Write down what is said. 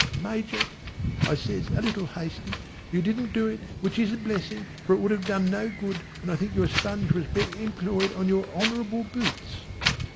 "Major" I says a little hasty "you didn't do it which is a blessing, for it would have done no good and I think your sponge was better employed on your own honourable boots."